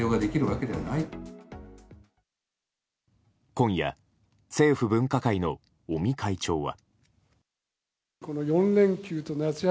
今夜政府分科会の尾身会長は。